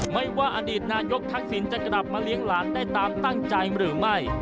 ว่าอดีตนายกทักษิณจะกลับมาเลี้ยงหลานได้ตามตั้งใจหรือไม่